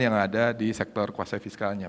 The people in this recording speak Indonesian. yang ada di sektor kuasa fiskalnya